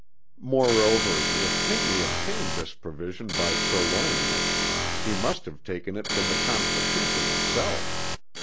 Moreover if Pinckney obtained this provision by purloining it, he must have taken it from the Constitution itself.